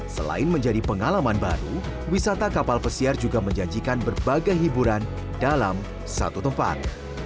selain menjadi pengalaman baru wisata kapal pesiar juga menjanjikan berbagai hiburan dalam satu tempat